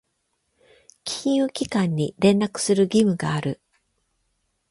金融機関に連絡する義務がある。